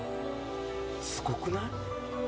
すごくない？